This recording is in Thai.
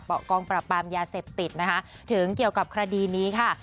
เปาะกองประปามยาเสพติดถึงเกี่ยวกับคดีนี้ค่ะ